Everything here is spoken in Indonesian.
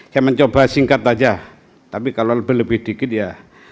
saya mencoba singkat saja tapi kalau lebih lebih dikit ya